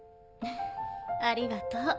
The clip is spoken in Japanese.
ありがとう。